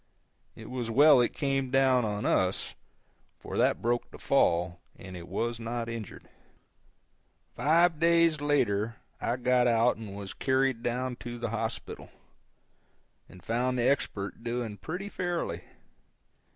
It was well it came down on us, for that broke the fall, and it was not injured. Five days later I got out and was carried down to the hospital, and found the Expert doing pretty fairly.